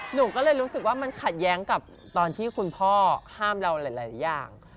หนูก็เลยรู้สึกว่ามันขัดแย้งกับตอนที่คุณพ่อห้ามเราหลายอย่าง